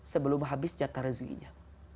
sebelum habis jatah rezekinya